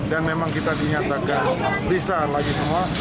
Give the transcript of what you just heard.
dan memang kita dinyatakan bisa lagi semua